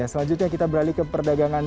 selanjutnya kita beralih ke perdagangan